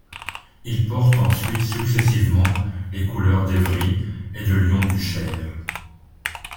Il porte ensuite successivement les couleurs d'Évry et de Lyon-Duchère.